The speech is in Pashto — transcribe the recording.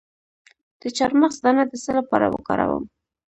د چارمغز دانه د څه لپاره وکاروم؟